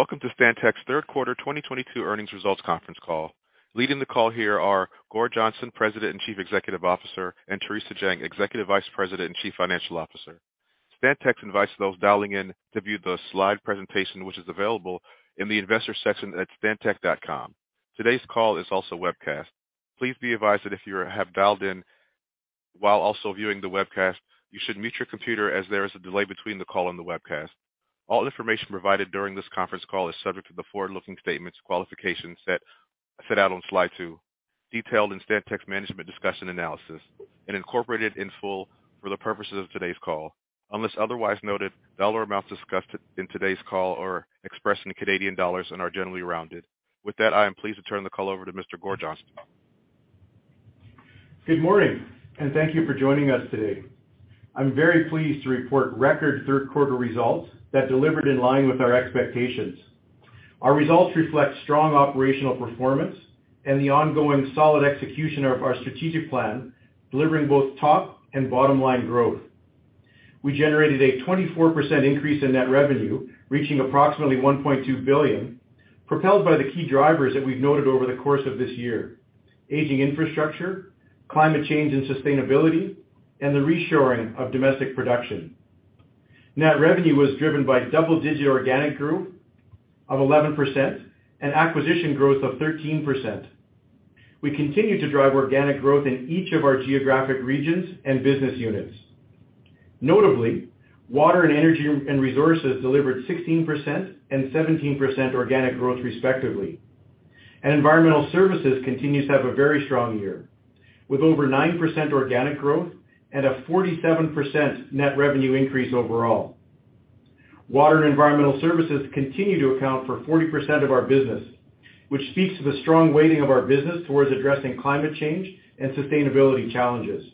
Welcome to Stantec's third quarter 2022 earnings results conference call. Leading the call here are Gord Johnston, President and Chief Executive Officer, and Theresa Jang, Executive Vice President and Chief Financial Officer. Stantec invites those dialing in to view the slide presentation, which is available in the Investors section at stantec.com. Today's call is also webcast. Please be advised that if you have dialed in while also viewing the webcast, you should mute your computer as there is a delay between the call and the webcast. All information provided during this conference call is subject to the forward-looking statements qualifications set out on slide two, detailed in Stantec's management's discussion and analysis, and incorporated in full for the purposes of today's call. Unless otherwise noted, dollar amounts discussed in today's call are expressed in Canadian dollars and are generally rounded. With that, I am pleased to turn the call over to Mr. Gord Johnston. Good morning, and thank you for joining us today. I'm very pleased to report record third quarter results that delivered in line with our expectations. Our results reflect strong operational performance and the ongoing solid execution of our strategic plan, delivering both top and bottom-line growth. We generated a 24% increase in net revenue, reaching approximately 1.2 billion, propelled by the key drivers that we've noted over the course of this year, aging infrastructure, climate change, and sustainability, and the reshoring of domestic production. Net revenue was driven by double-digit organic growth of 11% and acquisition growth of 13%. We continue to drive organic growth in each of our geographic regions and business units. Notably, water and energy and resources delivered 16% and 17% organic growth, respectively. Environmental services continues to have a very strong year, with over 9% organic growth and a 47% net revenue increase overall. Water and environmental services continue to account for 40% of our business, which speaks to the strong weighting of our business towards addressing climate change and sustainability challenges.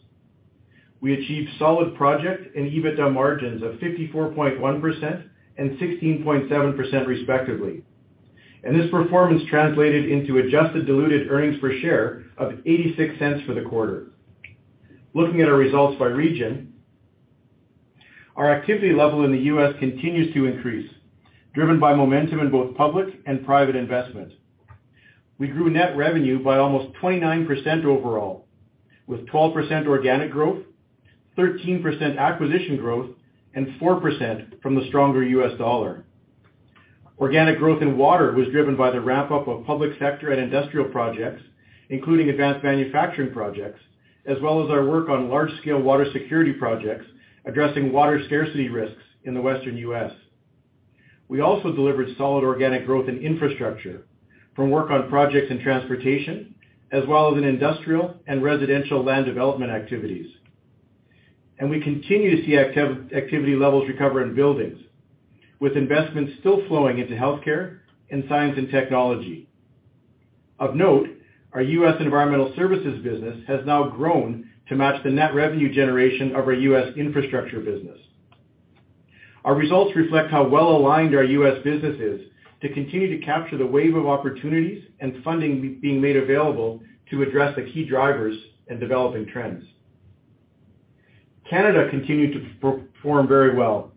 We achieved solid project and EBITDA margins of 54.1% and 16.7%, respectively. This performance translated into adjusted diluted earnings per share of 0.86 for the quarter. Looking at our results by region, our activity level in the U.S. continues to increase, driven by momentum in both public and private investment. We grew net revenue by almost 29% overall, with 12% organic growth, 13% acquisition growth, and 4% from the stronger U.S. dollar. Organic growth in water was driven by the ramp-up of public sector and industrial projects, including advanced manufacturing projects, as well as our work on large-scale water security projects addressing water scarcity risks in the Western U.S. We also delivered solid organic growth in infrastructure from work on projects and transportation, as well as in industrial and residential land development activities. We continue to see activity levels recover in buildings, with investments still flowing into healthcare and science and technology. Of note, our U.S. environmental services business has now grown to match the net revenue generation of our U.S. infrastructure business. Our results reflect how well-aligned our U.S. business is to continue to capture the wave of opportunities and funding being made available to address the key drivers and developing trends. Canada continued to perform very well.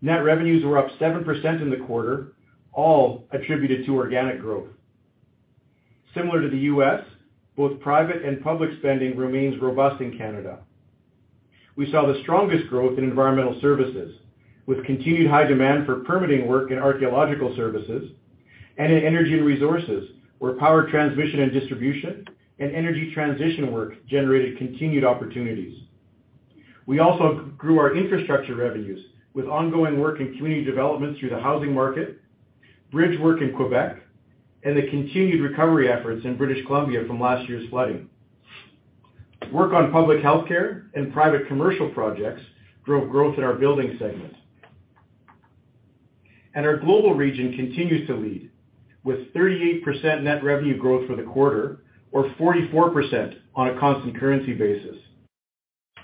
Net revenues were up 7% in the quarter, all attributed to organic growth. Similar to the U.S., both private and public spending remains robust in Canada. We saw the strongest growth in environmental services, with continued high demand for permitting work in archaeological services and in energy resources, where power transmission and distribution and energy transition work generated continued opportunities. We also grew our infrastructure revenues with ongoing work in community development through the housing market, bridge work in Quebec, and the continued recovery efforts in British Columbia from last year's flooding. Work on public healthcare and private commercial projects drove growth in our building segment. Our global region continues to lead, with 38% net revenue growth for the quarter or 44% on a constant currency basis.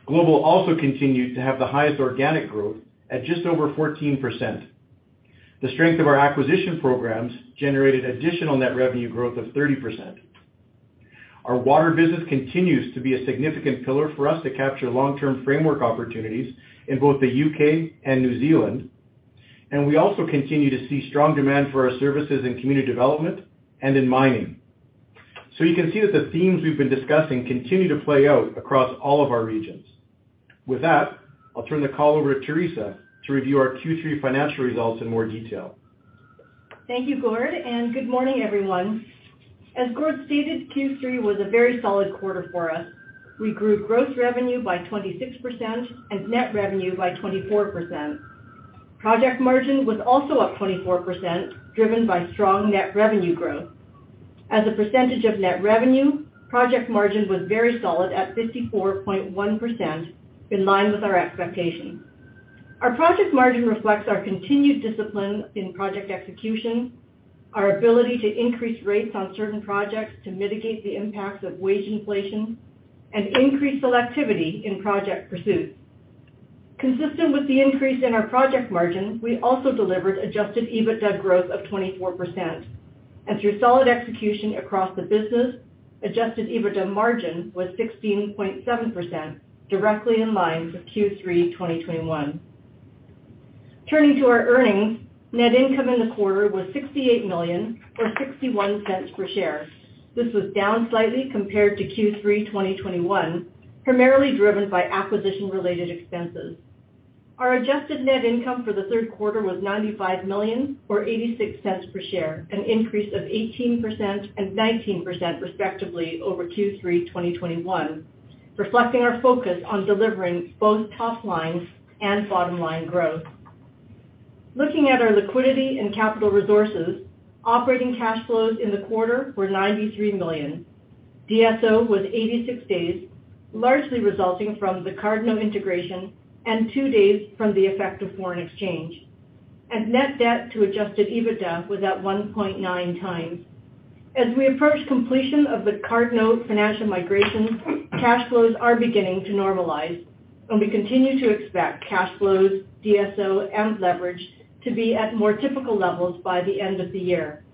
Global also continued to have the highest organic growth at just over 14%. The strength of our acquisition programs generated additional net revenue growth of 30%. Our water business continues to be a significant pillar for us to capture long-term framework opportunities in both the U.K. and New Zealand, and we also continue to see strong demand for our services in community development and in mining. You can see that the themes we've been discussing continue to play out across all of our regions. With that, I'll turn the call over to Theresa to review our Q3 financial results in more detail. Thank you, Gord, and good morning, everyone. As Gord stated, Q3 was a very solid quarter for us. We grew gross revenue by 26% and net revenue by 24%. Project margin was also up 24%, driven by strong net revenue growth. As a percentage of net revenue, project margin was very solid at 54.1% in line with our expectations. Our project margin reflects our continued discipline in project execution, our ability to increase rates on certain projects to mitigate the impacts of wage inflation and increased selectivity in project pursuits. Consistent with the increase in our project margin, we also delivered adjusted EBITDA growth of 24%. Through solid execution across the business, adjusted EBITDA margin was 16.7%, directly in line with Q3 2021. Turning to our earnings, net income in the quarter was 68 million or 0.61 per share. This was down slightly compared to Q3 2021, primarily driven by acquisition-related expenses. Our adjusted net income for the third quarter was 95 million or 0.86 per share, an increase of 18% and 19% respectively over Q3 2021, reflecting our focus on delivering both top line and bottom line growth. Looking at our liquidity and capital resources, operating cash flows in the quarter were 93 million. DSO was 86 days, largely resulting from the Cardno integration and 2 days from the effect of foreign exchange. Net debt to adjusted EBITDA was at 1.9 times. As we approach completion of the Cardno financial migration, cash flows are beginning to normalize, and we continue to expect cash flows, DSO, and leverage to be at more typical levels by the end of the year.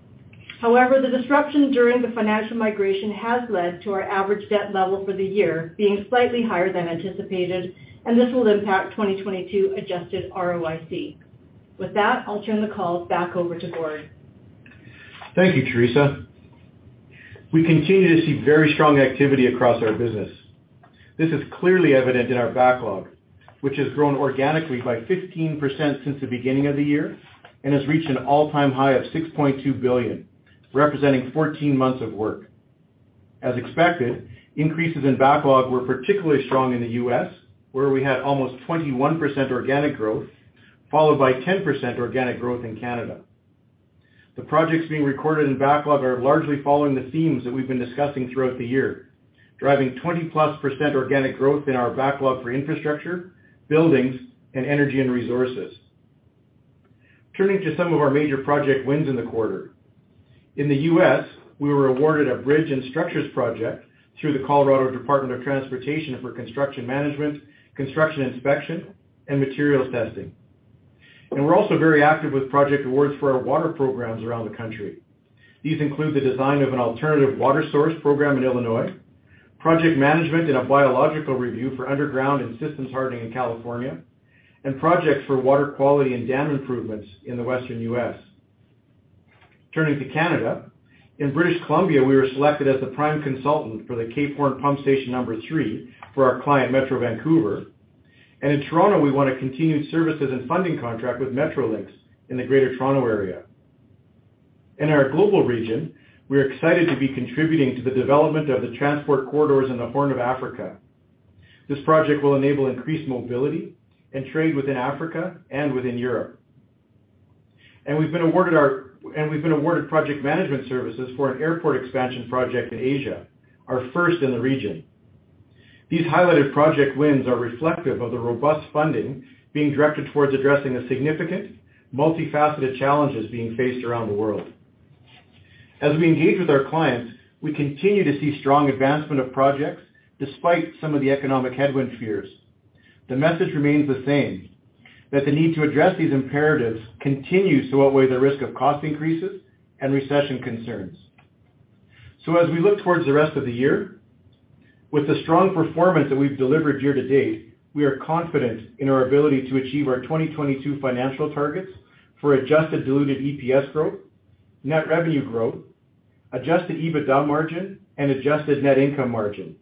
However, the disruption during the financial migration has led to our average debt level for the year being slightly higher than anticipated, and this will impact 2022 adjusted ROIC. With that, I'll turn the call back over to Gord. Thank you, Theresa. We continue to see very strong activity across our business. This is clearly evident in our backlog, which has grown organically by 15% since the beginning of the year and has reached an all-time high of 6.2 billion, representing 14-months of work. As expected, increases in backlog were particularly strong in the U.S., where we had almost 21% organic growth, followed by 10% organic growth in Canada. The projects being recorded in backlog are largely following the themes that we've been discussing throughout the year, driving 20+% organic growth in our backlog for infrastructure, buildings, and energy and resources. Turning to some of our major project wins in the quarter. In the U.S., we were awarded a bridge and structures project through the Colorado Department of Transportation for construction management, construction inspection, and materials testing. We're also very active with project awards for our water programs around the country. These include the design of an alternative water source program in Illinois, project management and a biological review for underground and systems hardening in California, and projects for water quality and dam improvements in the western U.S. Turning to Canada. In British Columbia, we were selected as the prime consultant for the Cape Horn Pump Station number 3 for our client, Metro Vancouver. In Toronto, we won a continued services and funding contract with Metrolinx in the Greater Toronto Area. In our global region, we're excited to be contributing to the development of the transport corridors in the Horn of Africa. This project will enable increased mobility and trade within Africa and within Europe. We've been awarded project management services for an airport expansion project in Asia, our first in the region. These highlighted project wins are reflective of the robust funding being directed towards addressing the significant multifaceted challenges being faced around the world. As we engage with our clients, we continue to see strong advancement of projects despite some of the economic headwind fears. The message remains the same, that the need to address these imperatives continues to outweigh the risk of cost increases and recession concerns. As we look towards the rest of the year, with the strong performance that we've delivered year-to-date, we are confident in our ability to achieve our 2022 financial targets for adjusted diluted EPS growth, net revenue growth, adjusted EBITDA margin, and adjusted net income margin.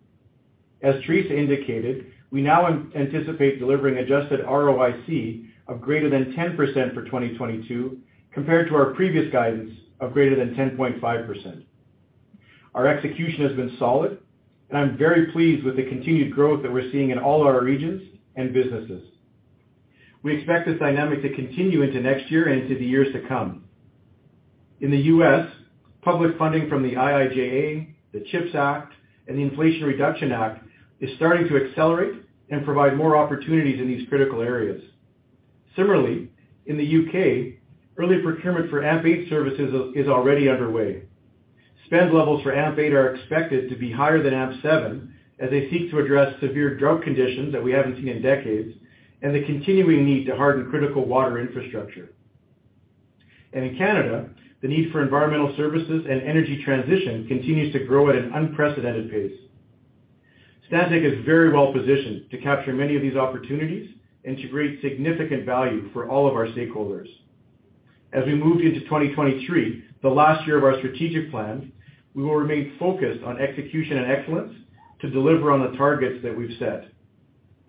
As Teresa indicated, we now anticipate delivering adjusted ROIC of greater than 10% for 2022 compared to our previous guidance of greater than 10.5%. Our execution has been solid, and I'm very pleased with the continued growth that we're seeing in all our regions and businesses. We expect this dynamic to continue into next year and into the years to come. In the U.S., public funding from the IIJA, the CHIPS Act, and the Inflation Reduction Act is starting to accelerate and provide more opportunities in these critical areas. Similarly, in the U.K., early procurement for AMP8 services is already underway. Spend levels for AMP8 are expected to be higher than AMP7 as they seek to address severe drought conditions that we haven't seen in decades and the continuing need to harden critical water infrastructure. In Canada, the need for environmental services and energy transition continues to grow at an unprecedented pace. Stantec is very well positioned to capture many of these opportunities and to create significant value for all of our stakeholders. As we move into 2023, the last year of our strategic plan, we will remain focused on execution and excellence to deliver on the targets that we've set.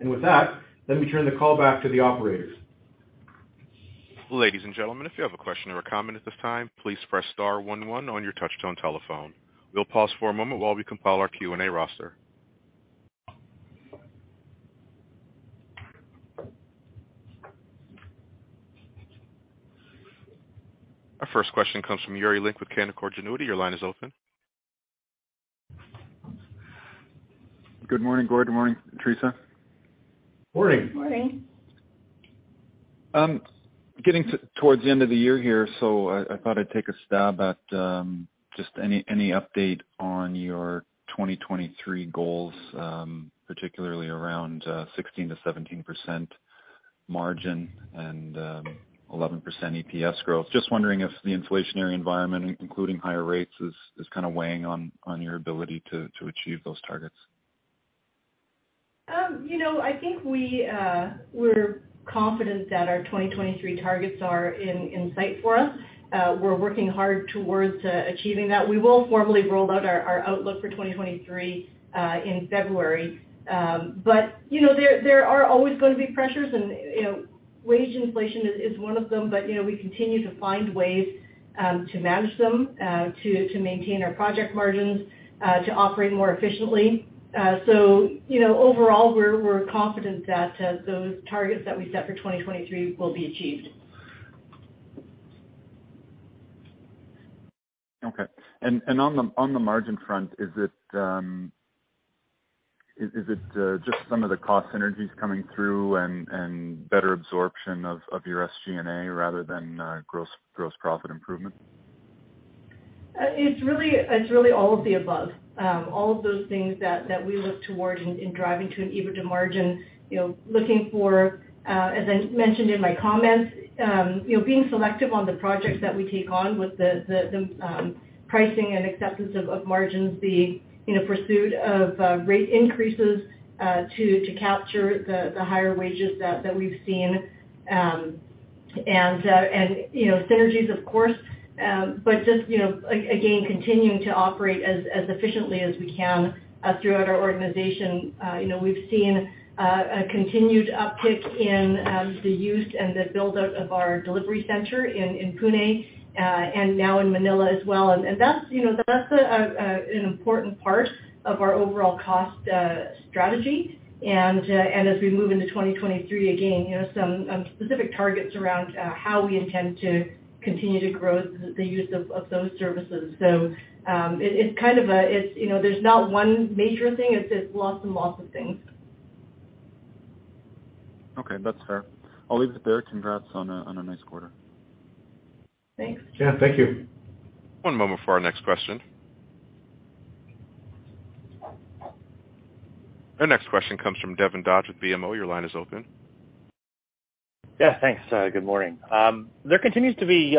With that, let me turn the call back to the operators. Ladies and gentlemen, if you have a question or a comment at this time, please press star one one on your touch-tone telephone. We'll pause for a moment while we compile our Q&A roster. Our first question comes from Yuri Lynk with Canaccord Genuity. Your line is open. Good morning, Gord. Good morning, Theresa. Morning. Morning. Getting towards the end of the year here, I thought I'd take a stab at just any update on your 2023 goals, particularly around 16%-17% margin and 11% EPS growth. Just wondering if the inflationary environment, including higher rates, is kind of weighing on your ability to achieve those targets. You know, I think we're confident that our 2023 targets are in sight for us. We're working hard towards achieving that. We will formally roll out our outlook for 2023 in February. You know, there are always gonna be pressures, and you know, wage inflation is one of them. You know, we continue to find ways to manage them to maintain our project margins to operate more efficiently. You know, overall, we're confident that those targets that we set for 2023 will be achieved. Okay. On the margin front, is it just some of the cost synergies coming through and better absorption of your SG&A rather than gross profit improvement? It's really all of the above. All of those things that we look towards in driving to an EBITDA margin, you know, looking for, as I mentioned in my comments, you know, being selective on the projects that we take on with the pricing and acceptance of margins, you know, pursuit of rate increases to capture the higher wages that we've seen. Synergies, of course. Just, you know, again, continuing to operate as efficiently as we can throughout our organization. You know, we've seen a continued uptick in the use and the build-out of our delivery center in Pune and now in Manila as well. That's, you know, that's an important part of our overall cost strategy. As we move into 2023, again, you know, some specific targets around how we intend to continue to grow the use of those services. It's kind of a, you know, there's not one major thing. It's lots and lots of things. Okay. That's fair. I'll leave it there. Congrats on a nice quarter. Thanks. Yeah. Thank you. One moment for our next question. Our next question comes from Devin Dodge with BMO. Your line is open. Yeah. Thanks. Good morning. There continues to be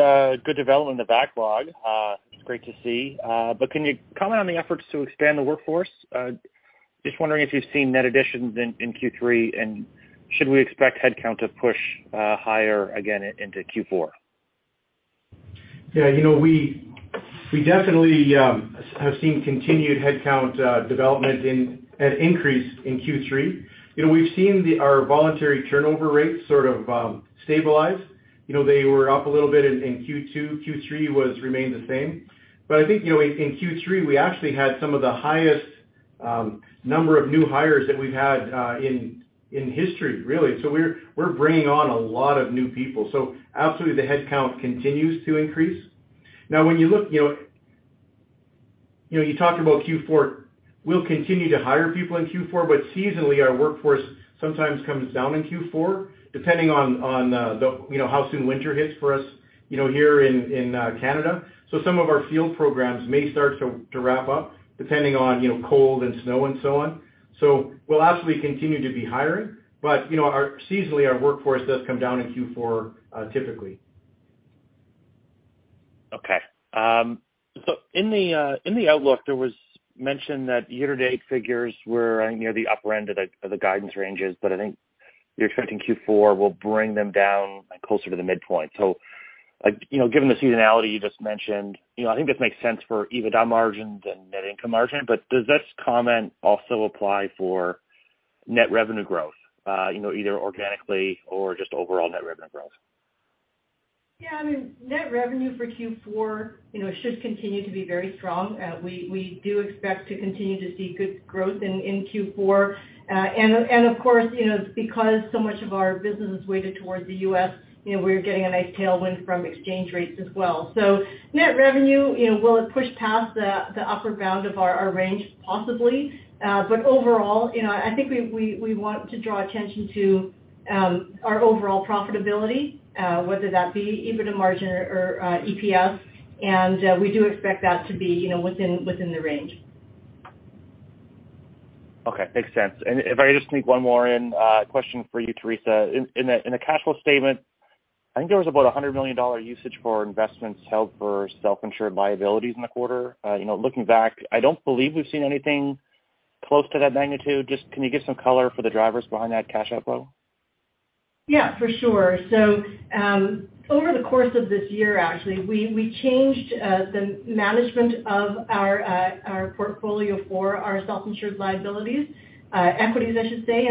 good development in the backlog, which is great to see. Can you comment on the efforts to expand the workforce? Just wondering if you've seen net additions in Q3, and should we expect headcount to push higher again into Q4? Yeah. You know, we definitely have seen continued headcount development and an increase in Q3. You know, we've seen our voluntary turnover rates sort of stabilize. You know, they were up a little bit in Q2. Q3 remained the same. I think, you know, in Q3, we actually had some of the highest number of new hires that we've had in history, really. We're bringing on a lot of new people. Absolutely the headcount continues to increase. Now, when you look, you know, you talked about Q4. We'll continue to hire people in Q4, but seasonally our workforce sometimes comes down in Q4, depending on you know, how soon winter hits for us, you know, here in Canada. Some of our field programs may start to wrap up depending on, you know, cold and snow and so on. We'll absolutely continue to be hiring, but, you know, seasonally our workforce does come down in Q4, typically. Okay. In the outlook, there was mention that year to date figures were, I think, near the upper end of the guidance ranges, but I think you're expecting Q4 will bring them down, like, closer to the midpoint. Like, you know, given the seasonality you just mentioned, you know, I think this makes sense for EBITDA margins and net income margin, but does this comment also apply for net revenue growth, you know, either organically or just overall net revenue growth? Yeah. I mean, net revenue for Q4, you know, should continue to be very strong. We do expect to continue to see good growth in Q4. Of course, you know, because so much of our business is weighted towards the U.S., you know, we're getting a nice tailwind from exchange rates as well. Net revenue, you know, will it push past the upper bound of our range? Possibly. Overall, you know, I think we want to draw attention to our overall profitability, whether that be EBITDA margin or EPS, and we do expect that to be, you know, within the range. Okay. Makes sense. If I could just sneak one more in, question for you, Theresa. In the cash flow statement, I think there was about 100 million dollar usage for investments held for self-insured liabilities in the quarter. You know, looking back, I don't believe we've seen anything close to that magnitude. Just, can you give some color for the drivers behind that cash outflow? Yeah. For sure. Over the course of this year, actually, we changed the management of our portfolio for our self-insured liabilities, equities, I should say.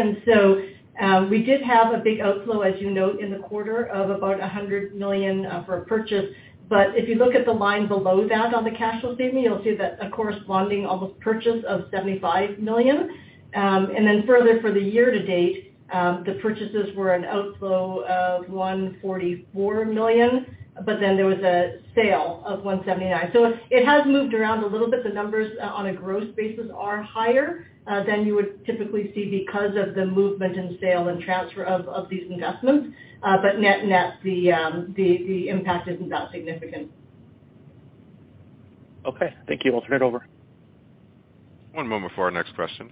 We did have a big outflow, as you note in the quarter, of about 100 million for purchase. If you look at the line below that on the cash flow statement, you'll see that a corresponding almost purchase of 75 million. Further for the year to date, the purchases were an outflow of 144 million, but then there was a sale of 179 million. It has moved around a little bit. The numbers on a gross basis are higher than you would typically see because of the movement in sale and transfer of these investments. Net-net the impact isn't that significant. Okay. Thank you. I'll turn it over. One moment for our next question.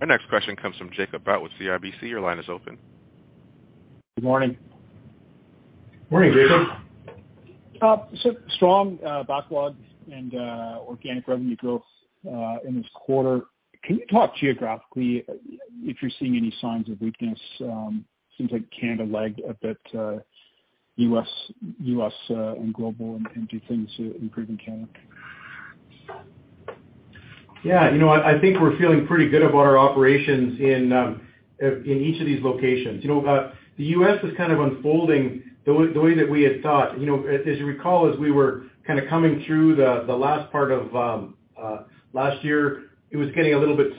Our next question comes from Jacob Bout with CIBC. Your line is open. Good morning. Morning, Jacob. Strong backlogs and organic revenue growth in this quarter. Can you talk geographically if you're seeing any signs of weakness? Seems like Canada lagged a bit, U.S. and global, and do things improving in Canada? Yeah. You know what? I think we're feeling pretty good about our operations in each of these locations. You know, the U.S. is kind of unfolding the way that we had thought. You know, as you recall, as we were kinda coming through the last part of last year, it was getting a little bit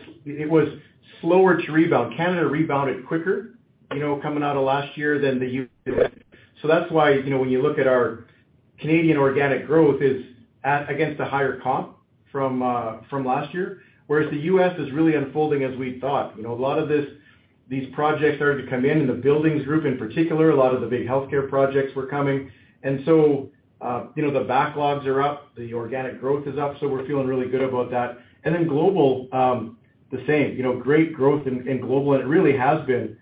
slower to rebound. Canada rebounded quicker, you know, coming out of last year than the U.S. did. That's why, you know, when you look at our Canadian organic growth is at against a higher comp from last year, whereas the U.S. is really unfolding as we thought. You know, a lot of these projects started to come in the buildings group, in particular, a lot of the big healthcare projects were coming. You know, the backlogs are up, the organic growth is up, so we're feeling really good about that. Then global, the same. You know, great growth in global, and it really has been,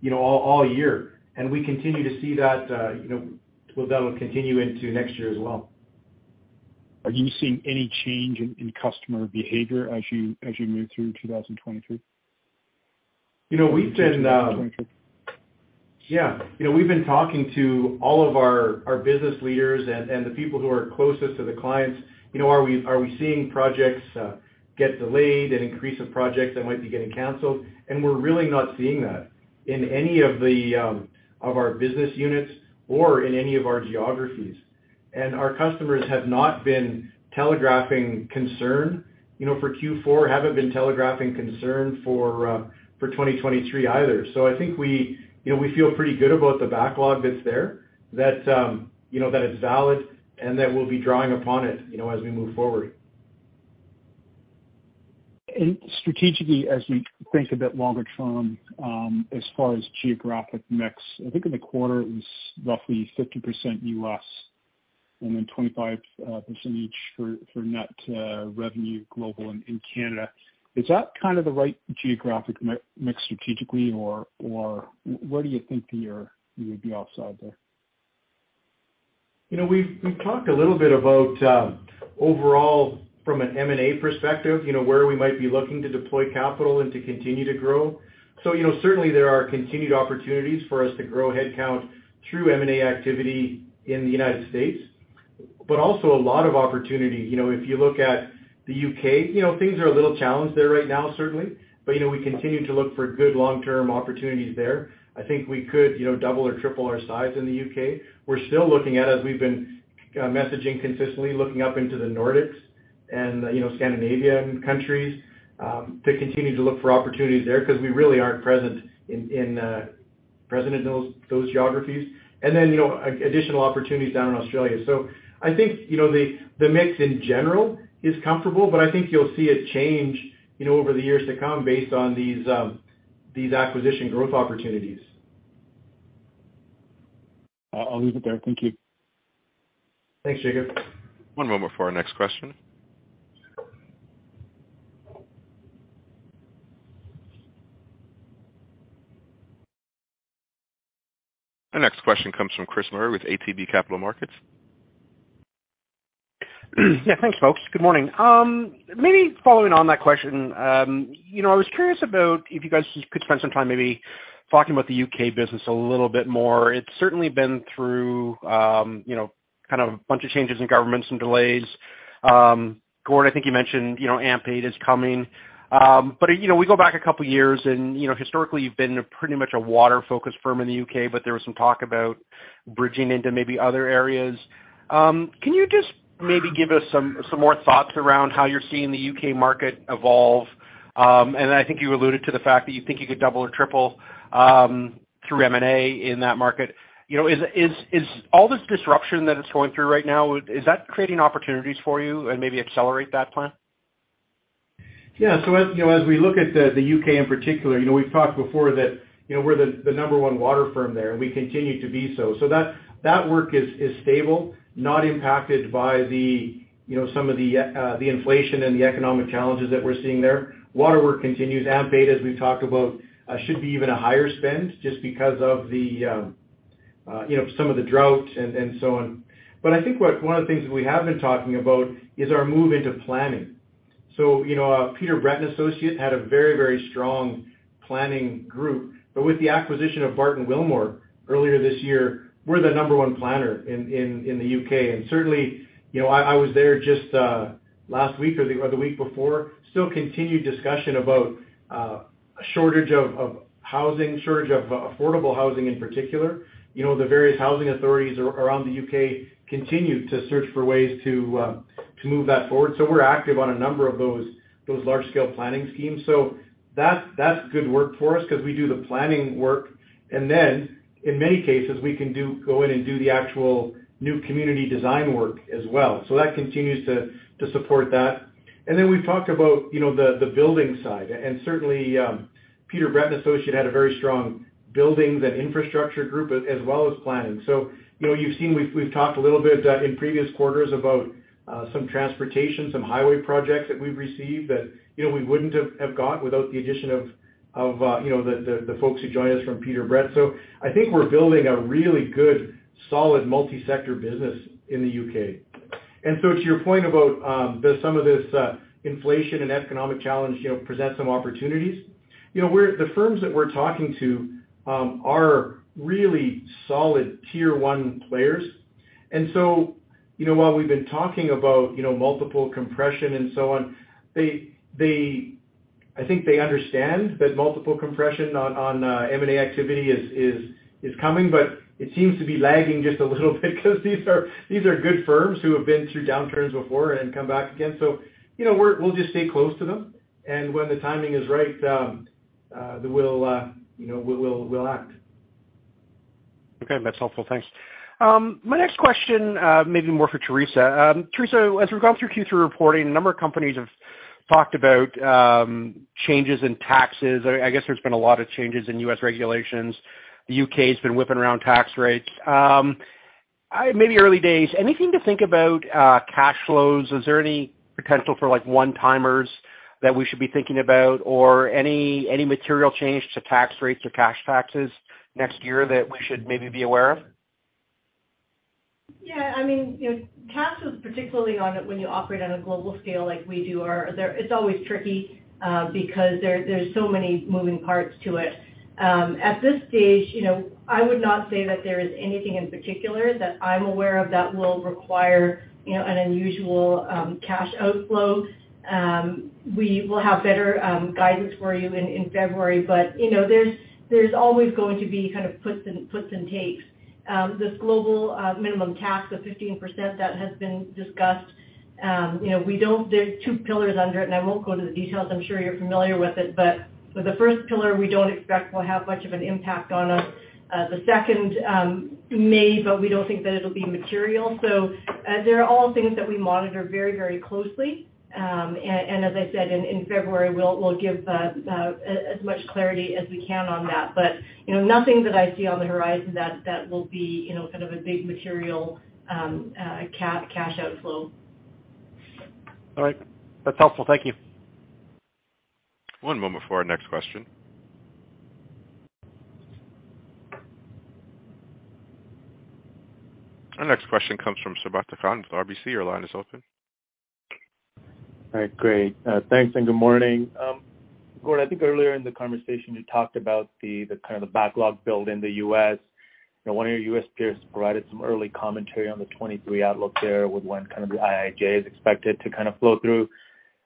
you know, all year. We continue to see that, you know, well, that will continue into next year as well. Are you seeing any change in customer behavior as you move through 2023? You know, we've been. Even 2024. Yeah. You know, we've been talking to all of our business leaders and the people who are closest to the clients. You know, are we seeing projects get delayed, an increase of projects that might be getting canceled? We're really not seeing that in any of our business units or in any of our geographies. Our customers have not been telegraphing concern, you know, for Q4, haven't been telegraphing concern for 2023 either. I think we, you know, we feel pretty good about the backlog that's there, that it's valid and that we'll be drawing upon it, you know, as we move forward. Strategically, as we think a bit longer term, as far as geographic mix, I think in the quarter it was roughly 50% U.S. and then 25% each for net revenue global and in Canada. Is that kind of the right geographic mix strategically, or what do you think the year would be outside there? You know, we've talked a little bit about overall from an M&A perspective, you know, where we might be looking to deploy capital and to continue to grow. You know, certainly there are continued opportunities for us to grow headcount through M&A activity in the United States. Also a lot of opportunity. You know, if you look at the U.K., you know, things are a little challenged there right now, certainly. You know, we continue to look for good long-term opportunities there. I think we could, you know, double or triple our size in the U.K. We're still looking at, as we've been messaging consistently, looking into the Nordics and, you know, Scandinavian countries to continue to look for opportunities there because we really aren't present in those geographies. Additional opportunities down in Australia. I think, you know, the mix in general is comfortable, but I think you'll see a change, you know, over the years to come based on these acquisition growth opportunities. I'll leave it there. Thank you. Thanks, Jacob. One moment for our next question. Our next question comes from Chris Murray with ATB Capital Markets. Yeah. Thanks, folks. Good morning. Maybe following on that question, you know, I was curious about if you guys could spend some time maybe talking about the U.K. business a little bit more. It's certainly been through, you know, kind of a bunch of changes in governments and delays. Gord, I think you mentioned, you know, AMP8 is coming. You know, we go back a couple of years and, you know, historically you've been pretty much a water-focused firm in the U.K., but there was some talk about bridging into maybe other areas. Can you just maybe give us some more thoughts around how you're seeing the U.K. market evolve? And I think you alluded to the fact that you think you could double or triple through M&A in that market. You know, is all this disruption that it's going through right now, is that creating opportunities for you and maybe accelerate that plan? Yeah. As you know, as we look at the U.K. in particular, you know, we've talked before that, you know, we're the number one water firm there, and we continue to be so. That work is stable, not impacted by you know, some of the inflation and the economic challenges that we're seeing there. Water work continues. AMP8, as we've talked about, should be even a higher spend just because of the, you know, some of the drought and so on. I think what one of the things we have been talking about is our move into planning. You know, Peter Brett Associates had a very strong planning group. With the acquisition of Barton Willmore earlier this year, we're the number one planner in the U.K. Certainly, you know, I was there just last week or the week before, still continued discussion about a shortage of housing, shortage of affordable housing in particular. You know, the various housing authorities around the U.K. continue to search for ways to move that forward. We're active on a number of those large-scale planning schemes. That's good work for us because we do the planning work. In many cases, we can go in and do the actual new community design work as well. That continues to support that. We've talked about, you know, the building side, and certainly, Peter Brett Associates had a very strong buildings and infrastructure group as well as planning. You know, you've seen, we've talked a little bit in previous quarters about some transportation, some highway projects that we've received that, you know, we wouldn't have got without the addition of you know, the folks who joined us from Peter Brett. I think we're building a really good, solid multi-sector business in the U.K. To your point about some of this inflation and economic challenge, you know, present some opportunities. You know, we're the firms that we're talking to are really solid tier one players. you know, while we've been talking about, you know, multiple compression and so on, they, I think they understand that multiple compression on M&A activity is coming, but it seems to be lagging just a little bit because these are good firms who have been through downturns before and come back again. you know, we'll just stay close to them, and when the timing is right, then we'll, you know, act. Okay, that's helpful. Thanks. My next question may be more for Theresa. Theresa, as we've gone through Q3 reporting, a number of companies have talked about changes in taxes. I guess there's been a lot of changes in U.S. regulations. The U.K.'s been whipping around tax rates. Maybe early days, anything to think about cash flows? Is there any potential for like one-timers that we should be thinking about or any material change to tax rates or cash taxes next year that we should maybe be aware of? Yeah, I mean, you know, cash is particularly on it when you operate on a global scale like we do. It's always tricky because there's so many moving parts to it. At this stage, you know, I would not say that there is anything in particular that I'm aware of that will require, you know, an unusual cash outflow. We will have better guidance for you in February, but, you know, there's always going to be kind of puts and takes. This global minimum tax of 15% that has been discussed, you know, there are two pillars under it, and I won't go into the details. I'm sure you're familiar with it. For the first pillar, we don't expect will have much of an impact on us. The second may, but we don't think that it'll be material. They're all things that we monitor very, very closely. As I said, in February, we'll give as much clarity as we can on that. You know, nothing that I see on the horizon that will be, you know, kind of a big material cash outflow. All right. That's helpful. Thank you. One moment for our next question. Our next question comes from Sabahat Khan with RBC. Your line is open. All right, great. Thanks, and good morning. Gord, I think earlier in the conversation you talked about kind of the backlog build in the U.S. You know, one of your U.S. peers provided some early commentary on the 2023 outlook there with when kind of the IIJA is expected to kind of flow through.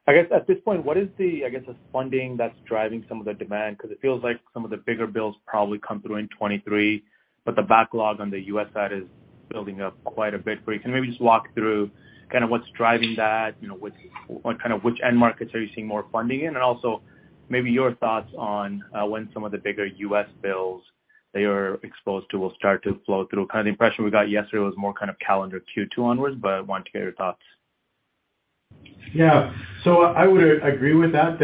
I guess at this point, what is, I guess, the funding that's driving some of the demand? 'Cause it feels like some of the bigger bills probably come through in 2023, but the backlog on the U.S. side is building up quite a bit for you. Can you maybe just walk through kind of what's driving that, you know, what kind of which end markets are you seeing more funding in? Also maybe your thoughts on when some of the bigger U.S. bills that you're exposed to will start to flow through. Kind of the impression we got yesterday was more kind of calendar Q2 onward, but wanted to hear your thoughts. Yeah. I would agree with that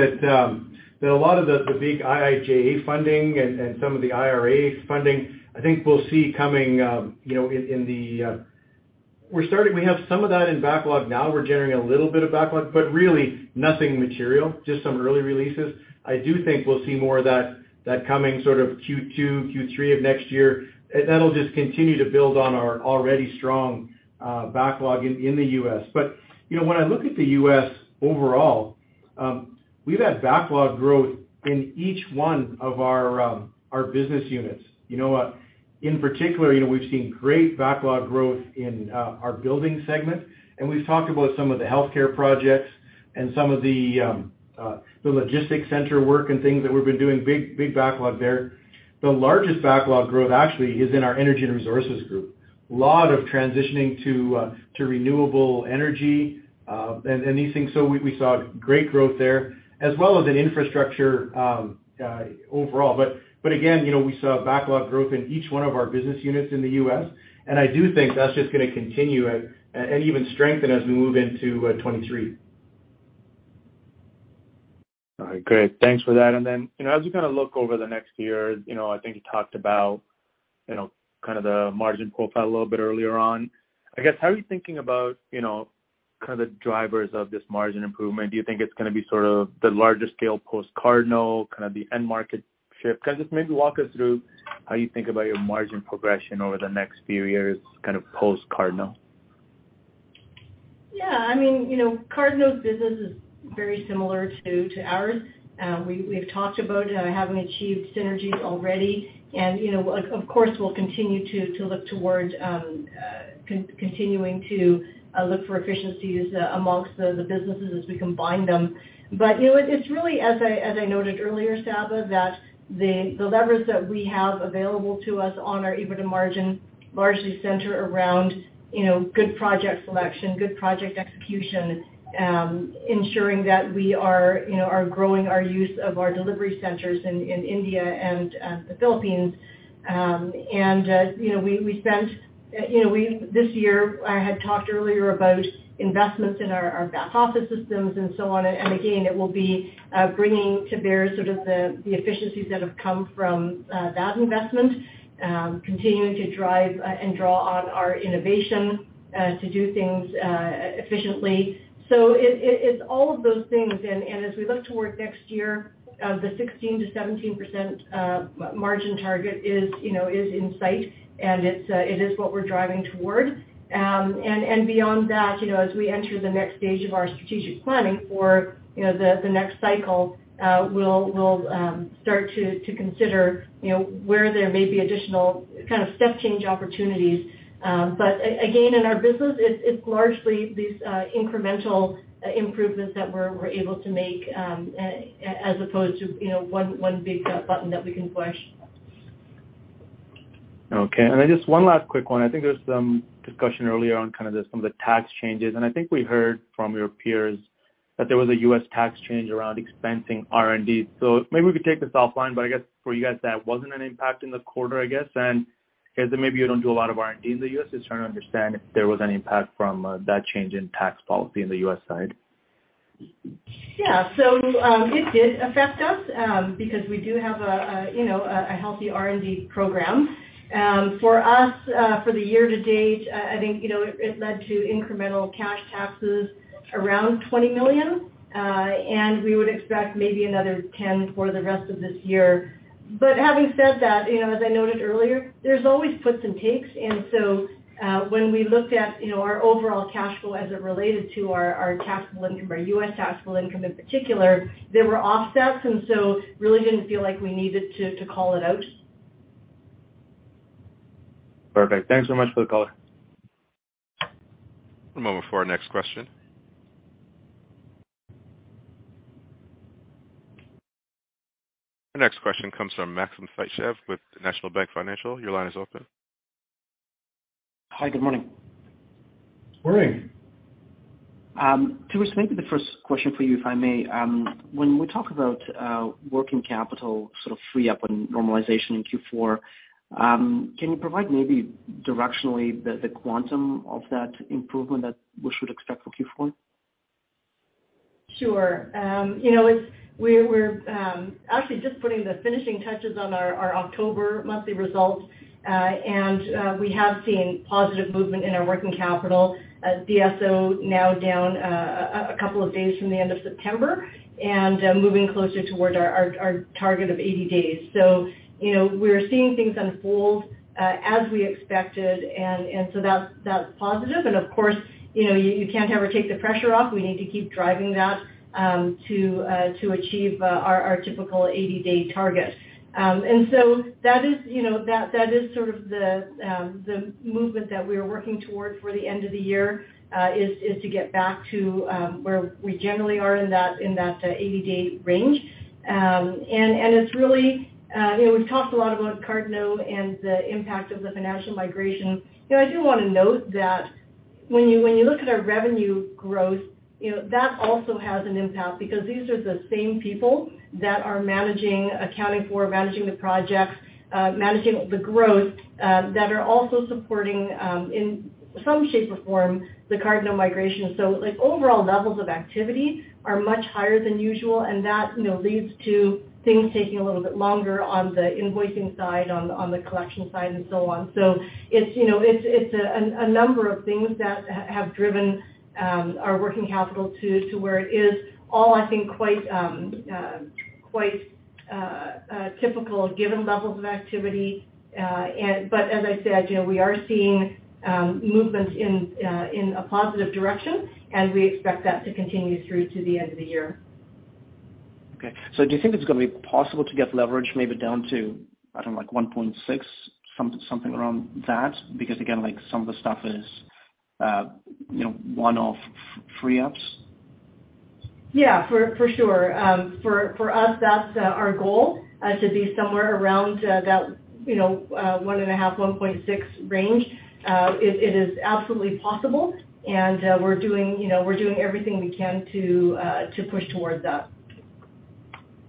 a lot of the big IIJA funding and some of the IRA funding, I think we'll see coming. We're starting, we have some of that in backlog now. We're generating a little bit of backlog, but really nothing material, just some early releases. I do think we'll see more of that coming sort of Q2, Q3 of next year. And that'll just continue to build on our already strong backlog in the U.S. You know, when I look at the U.S. overall, we've had backlog growth in each one of our business units. You know, in particular, we've seen great backlog growth in our buildings segment. We've talked about some of the healthcare projects and some of the logistics center work and things that we've been doing. Big backlog there. The largest backlog growth actually is in our energy and resources group. Lot of transitioning to renewable energy, and these things. So we saw great growth there as well as in infrastructure, overall. But again, you know, we saw backlog growth in each one of our business units in the U.S., and I do think that's just gonna continue and even strengthen as we move into 2023. All right, great. Thanks for that. You know, as we kind of look over the next year, you know, I think you talked about, you know, kind of the margin profile a little bit earlier on. I guess, how are you thinking about, you know, kind of the drivers of this margin improvement? Do you think it's gonna be sort of the larger scale post Cardno, kind of the end market shift? Can you just maybe walk us through how you think about your margin progression over the next few years kind of post Cardno? Yeah. I mean, you know, Cardno's business is very similar to ours. We've talked about having achieved synergies already. You know, like, of course, we'll continue to look toward continuing to look for efficiencies among the businesses as we combine them. You know, it's really as I noted earlier, Sabahat, that the levers that we have available to us on our EBITDA margin largely center around, you know, good project selection, good project execution, ensuring that we are growing our use of our delivery centers in India and the Philippines. You know, we spent, you know, this year I had talked earlier about investments in our back office systems and so on. Again, it will be bringing to bear sort of the efficiencies that have come from that investment, continuing to drive and draw on our innovation to do things efficiently. It's all of those things. As we look toward next year, the 16%-17% margin target is, you know, in sight, and it is what we're driving towards. Beyond that, you know, as we enter the next stage of our strategic planning for, you know, the next cycle, we'll start to consider, you know, where there may be additional kind of step change opportunities. Again, in our business, it's largely these incremental improvements that we're able to make, as opposed to, you know, one big button that we can push. Okay. Then just one last quick one. I think there was some discussion earlier on kind of just some of the tax changes, and I think we heard from your peers that there was a U.S. tax change around expensing R&D. Maybe we could take this offline, but I guess for you guys, that wasn't an impact in the quarter, I guess. I guess maybe you don't do a lot of R&D in the U.S. Just trying to understand if there was any impact from that change in tax policy on the U.S. side. Yeah. It did affect us, because we do have, you know, a healthy R&D program. For us, for the year to date, I think, you know, it led to incremental cash taxes around 20 million, and we would expect maybe another 10 million for the rest of this year. Having said that, you know, as I noted earlier, there's always puts and takes. When we looked at, you know, our overall cash flow as it related to our taxable income, our U.S. taxable income in particular, there were offsets, and so really didn't feel like we needed to call it out. Perfect. Thanks so much for the color. One moment for our next question. The next question comes from Maxim Sytchev with National Bank Financial. Your line is open. Hi. Good morning. Morning. Theresa, maybe the first question for you, if I may. When we talk about working capital sort of free up and normalization in Q4, can you provide maybe directionally the quantum of that improvement that we should expect for Q4? Sure. You know, we're actually just putting the finishing touches on our October monthly results, and we have seen positive movement in our working capital, DSO now down a couple of days from the end of September and moving closer toward our target of 80 days. You know, we're seeing things unfold as we expected. That's positive. Of course, you know, you can't ever take the pressure off. We need to keep driving that to achieve our typical 80-day target. That is, you know, that is sort of the movement that we are working toward for the end of the year is to get back to where we generally are in that 80-day range. It's really, you know, we've talked a lot about Cardno and the impact of the financial migration. You know, I do want to note that when you look at our revenue growth, you know, that also has an impact because these are the same people that are managing, accounting for managing the projects, managing the growth, that are also supporting, in some shape or form, the Cardno migration. Like, overall levels of activity are much higher than usual, and that, you know, leads to things taking a little bit longer on the invoicing side, on the collection side, and so on. It's, you know, a number of things that have driven our working capital to where it is, all, I think, quite typical given levels of activity. As I said, you know, we are seeing movements in a positive direction, and we expect that to continue through to the end of the year. Okay. Do you think it's gonna be possible to get leverage maybe down to, I don't know, like 1.6, something around that? Because again, like some of the stuff is, you know, one-off free ups. Yeah, for sure. For us, that's our goal to be somewhere around that you know 1.5-1.6 range. It is absolutely possible, and we're doing you know everything we can to push towards that.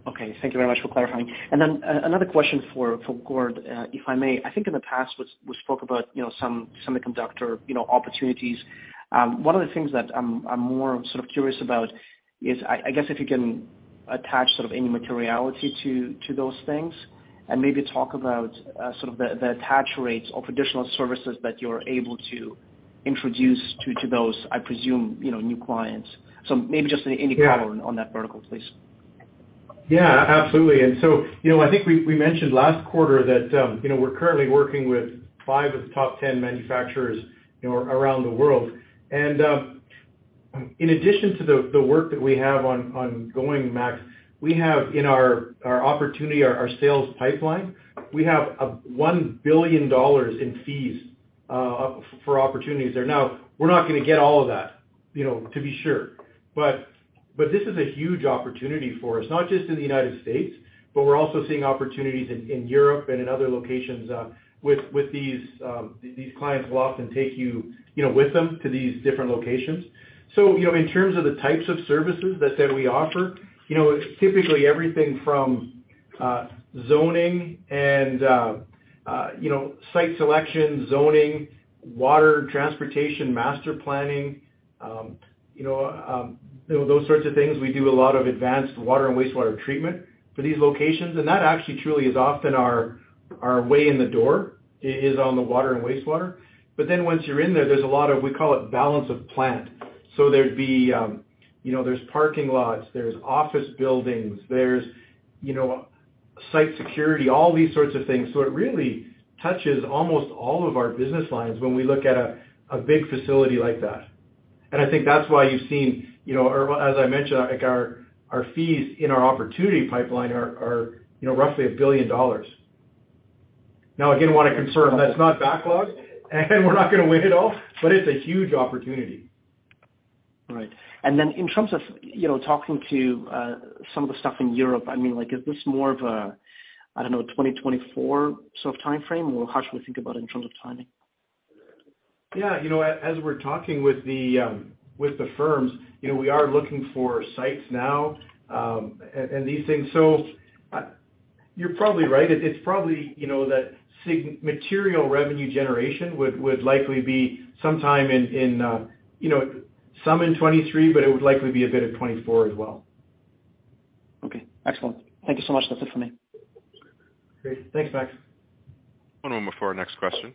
Okay. Thank you very much for clarifying. Another question for Gord, if I may. I think in the past we spoke about, you know, some semiconductor, you know, opportunities. One of the things that I'm more sort of curious about is I guess if you can attach sort of any materiality to those things and maybe talk about sort of the attach rates of additional services that you're able to introduce to those, I presume, you know, new clients. Maybe just any color. Yeah. on that vertical, please. Yeah, absolutely. You know, I think we mentioned last quarter that, you know, we're currently working with 5 of the top 10 manufacturers, you know, around the world. In addition to the work that we have ongoing, Max, we have in our opportunity, our sales pipeline, we have 1 billion dollars in fees for opportunities there. Now, we're not gonna get all of that, you know, to be sure. This is a huge opportunity for us, not just in the United States, but we're also seeing opportunities in Europe and in other locations with these clients will often take you with them to these different locations. You know, in terms of the types of services that we offer, you know, typically everything from zoning and site selection, zoning, water, transportation, master planning, you know, those sorts of things. We do a lot of advanced water and wastewater treatment for these locations, and that actually truly is often our way in the door, is on the water and wastewater. Then once you're in there's a lot of we call it balance of plant. There'd be parking lots, office buildings, site security, all these sorts of things. It really touches almost all of our business lines when we look at a big facility like that. I think that's why you've seen, you know, or as I mentioned, like, our fees in our opportunity pipeline are, you know, roughly 1 billion dollars. Now, again, wanna confirm that's not backlog, and we're not gonna win it all, but it's a huge opportunity. Right. In terms of, you know, talking to some of the stuff in Europe, I mean, like, is this more of a, I don't know, 2024 sort of timeframe, or how should we think about it in terms of timing? Yeah, you know, as we're talking with the firms, you know, we are looking for sites now, and these things. You're probably right. It's probably, you know, that material revenue generation would likely be sometime in 2023, but it would likely be a bit of 2024 as well. Okay, excellent. Thank you so much. That's it for me. Great. Thanks, Max. One moment for our next question.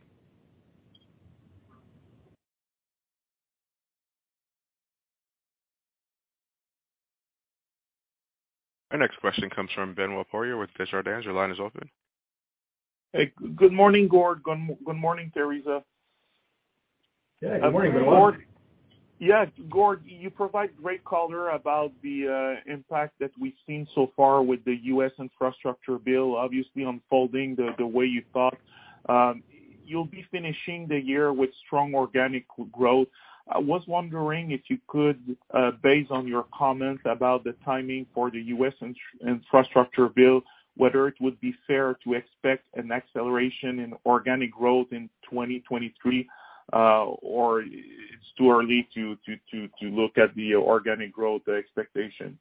Our next question comes from Benoit Poirier with Desjardins. Your line is open. Hey, good morning, Gord. Good morning, Theresa. Good morning, Benoit Poirier. Yeah, Gord, you provide great color about the impact that we've seen so far with the U.S. Infrastructure Bill, obviously unfolding the way you thought. You'll be finishing the year with strong organic growth. I was wondering if you could, based on your comments about the timing for the U.S. Infrastructure Bill, whether it would be fair to expect an acceleration in organic growth in 2023, or it's too early to look at the organic growth expectation?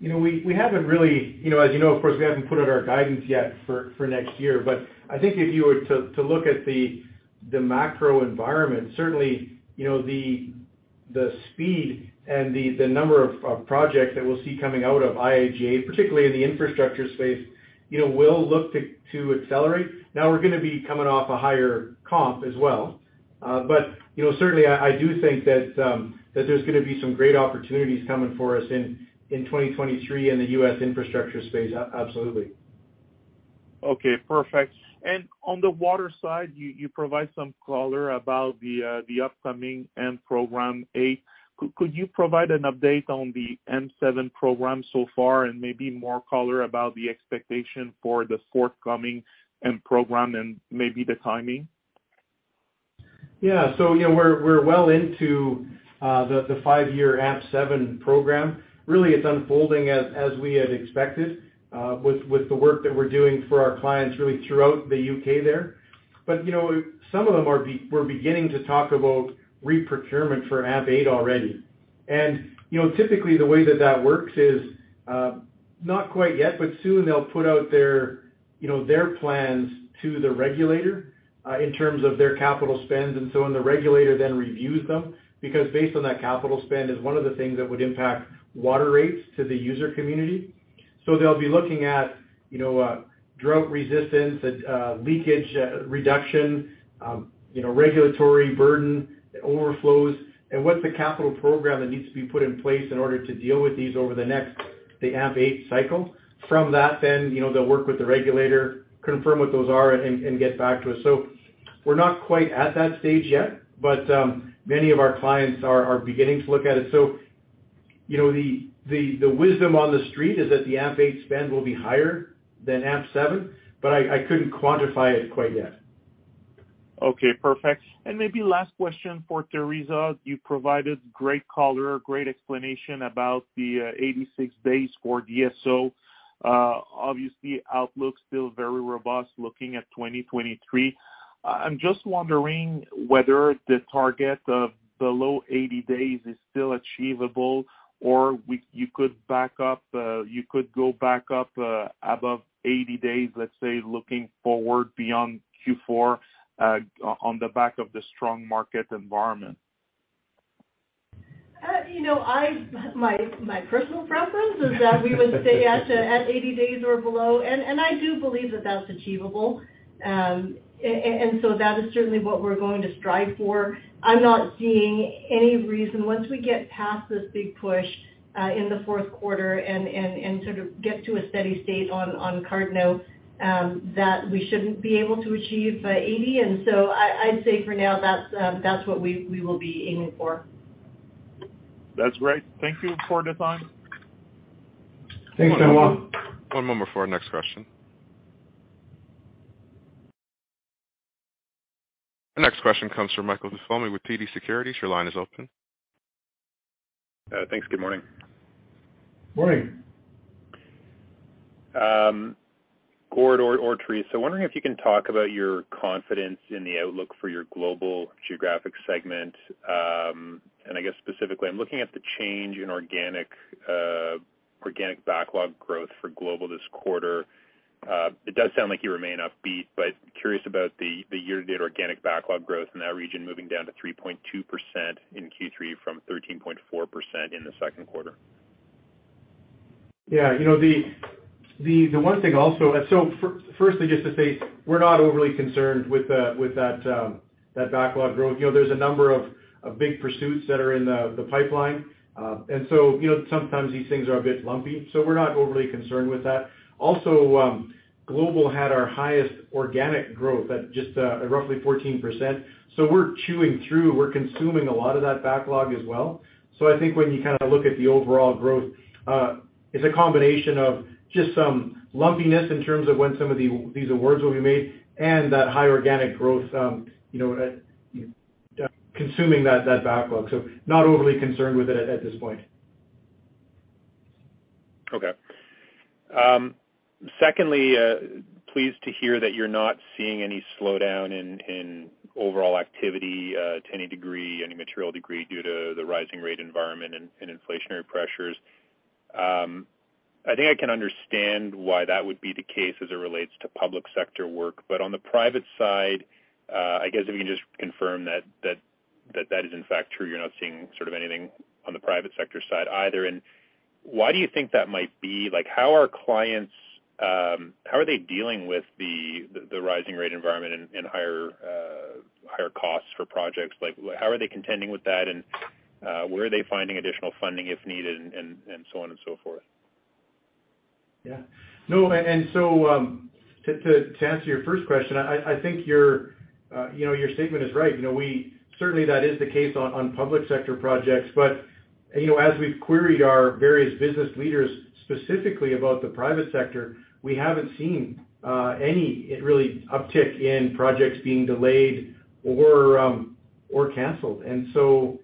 You know, as you know, of course, we haven't put out our guidance yet for next year. I think if you were to look at the macro environment, certainly, you know, the speed and the number of projects that we'll see coming out of IIJA, particularly in the infrastructure space, you know, will look to accelerate. Now we're gonna be coming off a higher comp as well. You know, certainly I do think that there's gonna be some great opportunities coming for us in 2023 in the U.S. infrastructure space, absolutely. Okay, perfect. On the water side, you provide some color about the upcoming AMP8. Could you provide an update on the AMP7 so far and maybe more color about the expectation for the forthcoming AMP program and maybe the timing? Yeah. You know, we're well into the five-year AMP7 program. Really, it's unfolding as we had expected, with the work that we're doing for our clients really throughout the U.K. there. You know, some of them were beginning to talk about reprocurement for AMP8 already. Typically the way that that works is, not quite yet, but soon they'll put out their, you know, their plans to the regulator, in terms of their capital spends, and so when the regulator then reviews them. Because based on that capital spend is one of the things that would impact water rates to the user community. They'll be looking at, you know, drought resistance, leakage reduction, you know, regulatory burden, overflows, and what's the capital program that needs to be put in place in order to deal with these over the next, the AMP8 cycle. From that then, you know, they'll work with the regulator, confirm what those are and get back to us. We're not quite at that stage yet, but many of our clients are beginning to look at it. You know, the wisdom on the street is that the AMP8 spend will be higher than AMP7, but I couldn't quantify it quite yet. Okay, perfect. Maybe last question for Theresa. You provided great color, great explanation about the 86 days for DSO. Obviously outlook's still very robust looking at 2023. I'm just wondering whether the target of below 80 days is still achievable, or you could back up, you could go back up above 80 days, let's say, looking forward beyond Q4, on the back of the strong market environment. You know, my personal preference is that we would stay at 80 days or below, and I do believe that that's achievable. That is certainly what we're going to strive for. I'm not seeing any reason, once we get past this big push in the fourth quarter and sort of get to a steady state on Cardno, that we shouldn't be able to achieve 80. I'd say for now that's what we will be aiming for. That's great. Thank you for the time. Thanks so much. One moment for our next question. The next question comes from Michael Tupholme with TD Securities. Your line is open. Thanks. Good morning. Morning. Gord or Theresa, wondering if you can talk about your confidence in the outlook for your global geographic segment. I guess specifically I'm looking at the change in organic backlog growth for global this quarter. It does sound like you remain upbeat, but curious about the year-to-date organic backlog growth in that region moving down to 3.2% in Q3 from 13.4% in the second quarter. Yeah. You know, the one thing also. Firstly, just to say we're not overly concerned with that backlog growth. You know, there's a number of big pursuits that are in the pipeline. You know, sometimes these things are a bit lumpy, so we're not overly concerned with that. Also, global had our highest organic growth at just roughly 14%. We're chewing through, we're consuming a lot of that backlog as well. I think when you kind of look at the overall growth, it's a combination of just some lumpiness in terms of when some of these awards will be made and that high organic growth, you know, consuming that backlog. Not overly concerned with it at this point. Okay. Secondly, pleased to hear that you're not seeing any slowdown in overall activity to any degree, any material degree due to the rising rate environment and inflationary pressures. I think I can understand why that would be the case as it relates to public sector work. On the private side, I guess if you can just confirm that is in fact true, you're not seeing sort of anything on the private sector side either. Why do you think that might be? Like, how are clients, how are they dealing with the rising rate environment and higher costs for projects? Like, how are they contending with that, and where are they finding additional funding if needed, and so on and so forth? To answer your first question, I think your statement is right. You know, certainly that is the case on public sector projects. You know, as we've queried our various business leaders specifically about the private sector, we haven't seen any real uptick in projects being delayed or canceled. You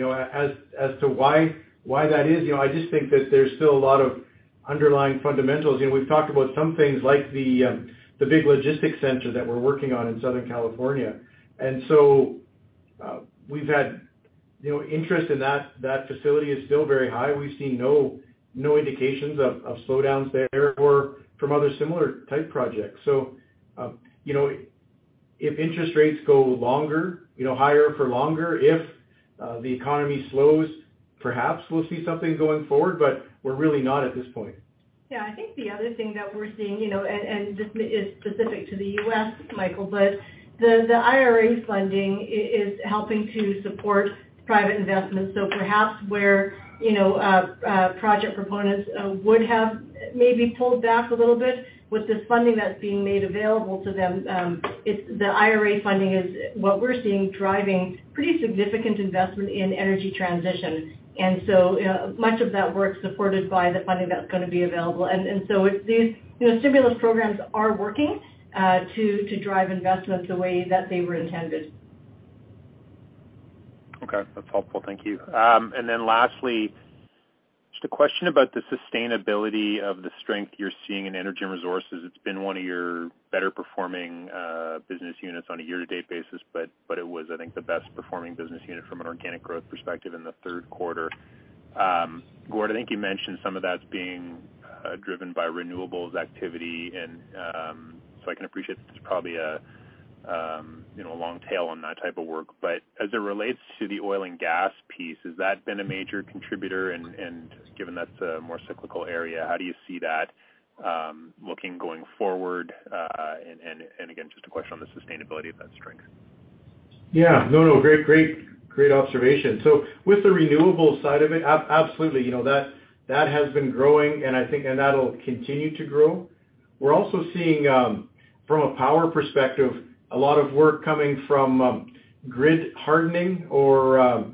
know, as to why that is, I just think that there's still a lot of underlying fundamentals. You know, we've talked about some things like the big logistics center that we're working on in Southern California. We've had interest in that. That facility is still very high. We've seen no indications of slowdowns there or from other similar type projects. You know, if interest rates go longer, you know, higher for longer, if the economy slows, perhaps we'll see something going forward, but we're really not at this point. Yeah. I think the other thing that we're seeing, you know, this is specific to the U.S., Michael, but the IRA funding is helping to support private investments. Perhaps where, you know, project proponents would have maybe pulled back a little bit with this funding that's being made available to them, it's the IRA funding is what we're seeing driving pretty significant investment in energy transition. It's these, you know, stimulus programs are working to drive investments the way that they were intended. Okay. That's helpful. Thank you. Then lastly, just a question about the sustainability of the strength you're seeing in energy and resources. It's been one of your better performing business units on a year-to-date basis, but it was, I think, the best performing business unit from an organic growth perspective in the third quarter. Gord, I think you mentioned some of that's being driven by renewables activity and so I can appreciate there's probably a you know a long tail on that type of work. But as it relates to the oil and gas piece, has that been a major contributor? Given that's a more cyclical area, how do you see that looking going forward? Again, just a question on the sustainability of that strength. Yeah. No, no, great observation. So with the renewables side of it, absolutely, you know, that has been growing, and I think and that'll continue to grow. We're also seeing, from a power perspective, a lot of work coming from grid hardening or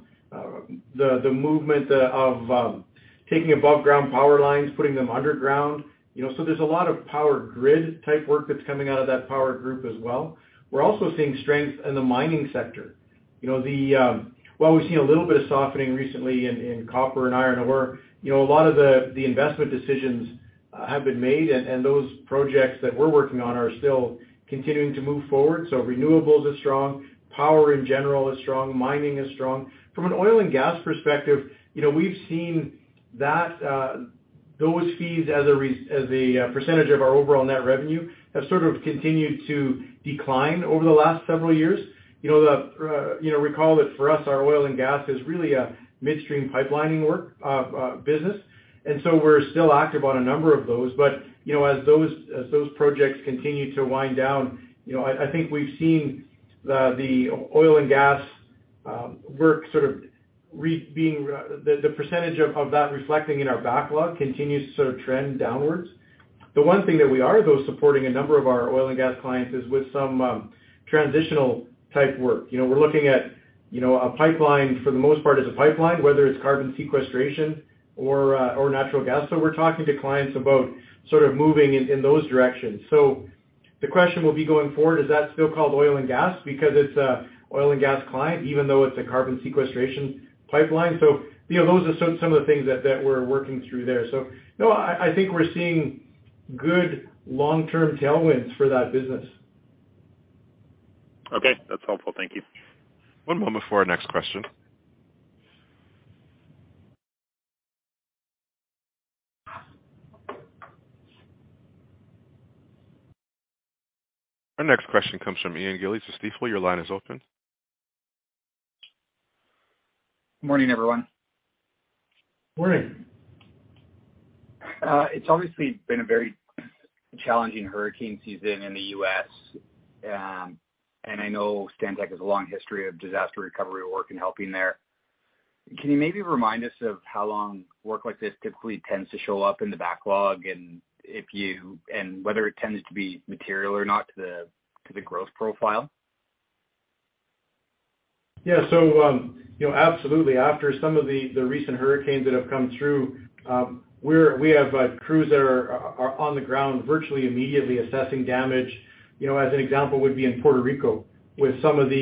the movement of taking above-ground power lines, putting them underground. You know, so there's a lot of power grid type work that's coming out of that power group as well. We're also seeing strength in the mining sector. You know, while we've seen a little bit of softening recently in copper and iron ore, you know, a lot of the investment decisions have been made and those projects that we're working on are still continuing to move forward. So renewables is strong, power in general is strong, mining is strong. From an oil and gas perspective, you know, we've seen that those fees as a percentage of our overall net revenue have sort of continued to decline over the last several years. You know, you know, recall that for us, our oil and gas is really a midstream pipeline work business, and so we're still active on a number of those. You know, as those projects continue to wind down, you know, I think we've seen the oil and gas work. The percentage of that reflecting in our backlog continues to sort of trend downwards. The one thing that we are, though, supporting a number of our oil and gas clients is with some transitional type work. You know, we're looking at, you know, a pipeline for the most part is a pipeline, whether it's carbon sequestration or natural gas. We're talking to clients about sort of moving in those directions. The question will be going forward, is that still called oil and gas because it's an oil and gas client even though it's a carbon sequestration pipeline? You know, those are some of the things that we're working through there. No, I think we're seeing good long-term tailwinds for that business. Okay. That's helpful. Thank you. One moment before our next question. Our next question comes from Ian Gillies of Stifel. Your line is open. Morning, everyone. Morning. It's obviously been a very challenging hurricane season in the U.S., and I know Stantec has a long history of disaster recovery work and helping there. Can you maybe remind us of how long work like this typically tends to show up in the backlog, and whether it tends to be material or not to the growth profile? Yeah. You know, absolutely. After some of the recent hurricanes that have come through, we have crews that are on the ground virtually immediately assessing damage. You know, as an example would be in Puerto Rico with some of the,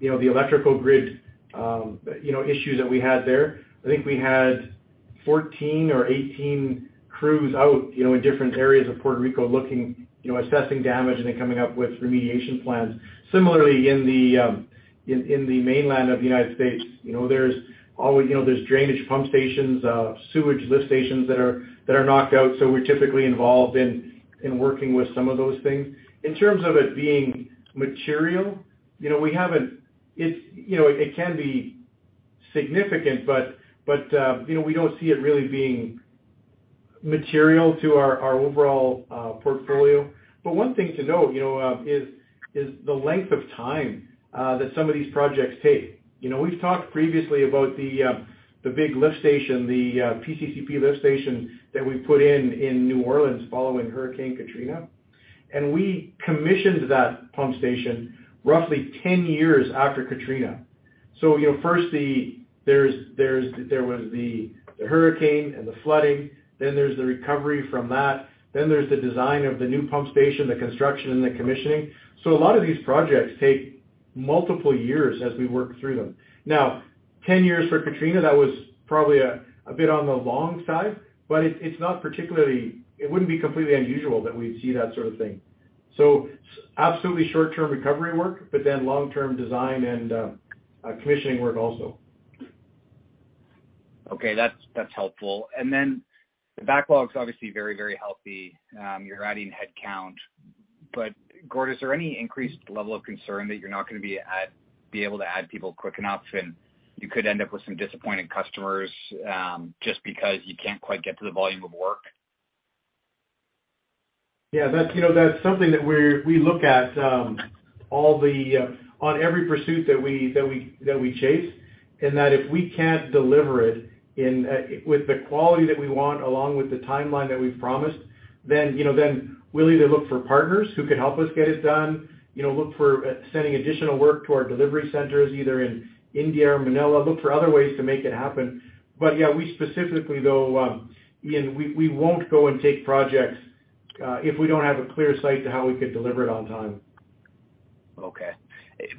you know, the electrical grid, you know, issues that we had there. I think we had 14 crews or 18 crews out, you know, in different areas of Puerto Rico looking, you know, assessing damage and then coming up with remediation plans. Similarly, in the mainland of the United States, you know, there's drainage pump stations, sewage lift stations that are knocked out, so we're typically involved in working with some of those things. In terms of it being material, you know, we haven't. It's, you know, it can be significant, but, you know, we don't see it really being material to our overall portfolio. One thing to note, you know, is the length of time that some of these projects take. You know, we've talked previously about the big lift station, the PCCP lift station that we put in in New Orleans following Hurricane Katrina. We commissioned that pump station roughly 10 years after Katrina. You know, first, there was the hurricane and the flooding, then there's the recovery from that, then there's the design of the new pump station, the construction and the commissioning. A lot of these projects take multiple years as we work through them. Now, 10 years for Katrina, that was probably a bit on the long side, but it's not particularly. It wouldn't be completely unusual that we'd see that sort of thing. Absolutely short-term recovery work, but then long-term design and commissioning work also. Okay. That's helpful. The backlog's obviously very, very healthy. You're adding headcount. Gord, is there any increased level of concern that you're not gonna be able to add people quick enough and you could end up with some disappointed customers, just because you can't quite get to the volume of work? Yeah. That's, you know, something that we look at all the time on every pursuit that we chase. In that if we can't deliver it with the quality that we want along with the timeline that we've promised, then, you know, we'll either look for partners who can help us get it done, you know, look for sending additional work to our delivery centers, either in India or Manila, look for other ways to make it happen. Yeah, we specifically though, Ian, we won't go and take projects if we don't have a clear sight to how we could deliver it on time. Okay.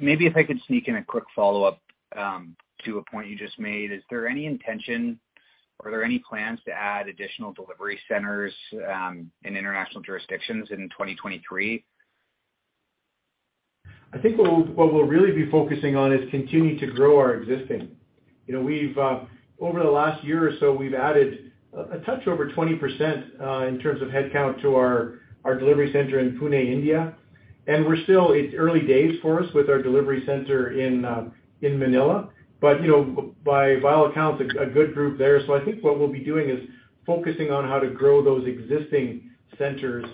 Maybe if I could sneak in a quick follow-up to a point you just made. Is there any intention or are there any plans to add additional delivery centers in international jurisdictions in 2023? I think what we'll really be focusing on is continue to grow our existing. You know, we've over the last year or so, we've added a touch over 20% in terms of headcount to our delivery center in Pune, India, and we're still, it's early days for us with our delivery center in Manila. You know, by all accounts, a good group there. I think what we'll be doing is focusing on how to grow those existing centers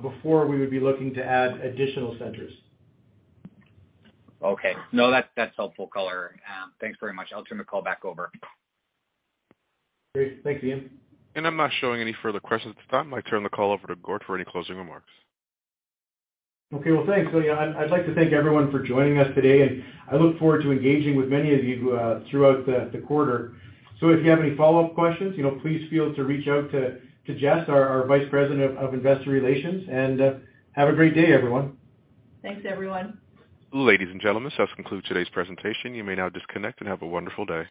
before we would be looking to add additional centers. Okay. No, that's helpful color. Thanks very much. I'll turn the call back over. Great. Thanks, Ian. I'm not showing any further questions at this time. I turn the call over to Gord for any closing remarks. Okay. Well, thanks. Yeah, I'd like to thank everyone for joining us today, and I look forward to engaging with many of you throughout the quarter. If you have any follow-up questions, you know, please feel free to reach out to Jess, our Vice President of investor relations, and have a great day, everyone. Thanks, everyone. Ladies and gentlemen, this does conclude today's presentation. You may now disconnect and have a wonderful day.